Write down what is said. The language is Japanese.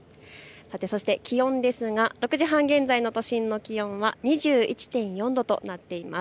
そして気温ですが６時半現在の都心の気温は２１．４度となっています。